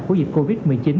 của dịch covid một mươi chín